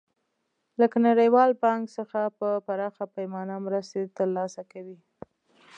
لکه نړیوال بانک څخه په پراخه پیمانه مرستې تر لاسه کوي.